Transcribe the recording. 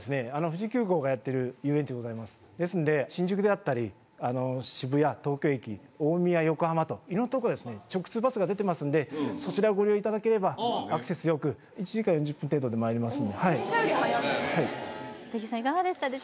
富士急行がやってる遊園地ですですので新宿であったり渋谷東京駅大宮横浜と色んなとこから直通バスが出てますのでそちらをご利用いただければアクセスよく１時間４０分程度でまいります・電車より早いんですね